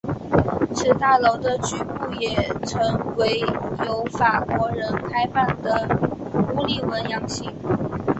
此大楼的局部也曾为由法国人开办的乌利文洋行。